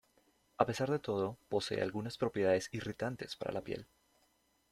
A pesar de todo posee algunas propiedades irritantes para la piel.